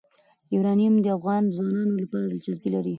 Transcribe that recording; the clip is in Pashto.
یورانیم د افغان ځوانانو لپاره دلچسپي لري.